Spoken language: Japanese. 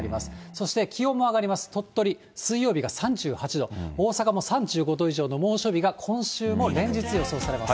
そして気温も上がります、鳥取、水曜日が３８度、大阪も３５度以上の猛暑日が今週も連日予想されます。